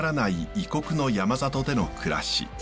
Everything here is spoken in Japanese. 異国の山里での暮らし。